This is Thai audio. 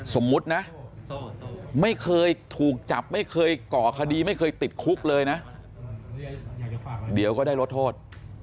สมมุตินะไม่เคยถูกจับไม่เคยก่อคดีไม่เคยติดคุกเลยนะเดี๋ยวก็ได้ลดโทษ